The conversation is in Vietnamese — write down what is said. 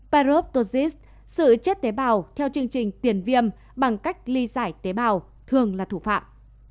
paroposis sự chết tế bào theo chương trình tiền viêm bằng cách ly giải tế bào thường là thủ phạm